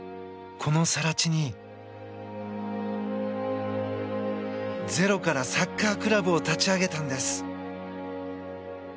この更地にゼロからサッカークラブを立ち上げたんです。